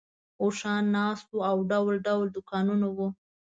اوښان ناست وو او ډول ډول دوکانونه وو.